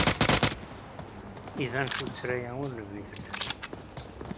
Iban tuttra-a ur nebni fell-as.